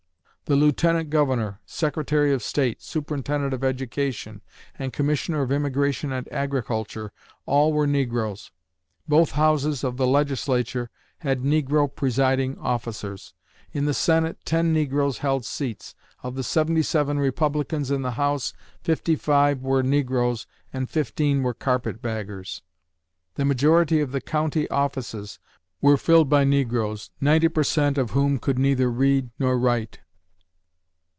The lieutenant governor, secretary of state, superintendent of education, and commissioner of immigration and agriculture, all were negroes; both houses of the legislature had negro presiding officers; in the senate ten negroes held seats; of the seventy seven Republicans in the house, fifty five were negroes and fifteen were carpet baggers; the majority of the county offices were filled by negroes, 90 per cent. of whom could neither read nor write.